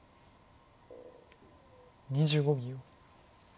２５秒。